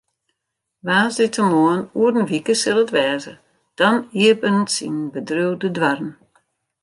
Woansdeitemoarn oer in wike sil it wêze, dan iepenet syn bedriuw de doarren.